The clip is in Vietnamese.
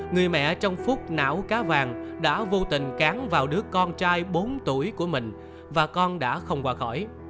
người mẹ trong phút não cá vàng đã vô tình cán vào đứa con trai bốn tuổi của mình và con đã không qua khỏi